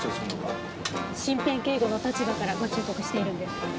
身辺警護の立場からご忠告しているんです。